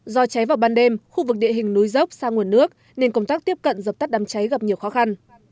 do cháy vào ban đêm khu vực địa hình núi dốc xa nguồn nước nên công tác tiếp cận dập tắt đám cháy gặp nhiều khó khăn